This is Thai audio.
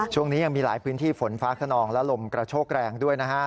ช่วงนี้ยังมีหลายพื้นที่ฝนฟ้าขนองและลมกระโชกแรงด้วยนะฮะ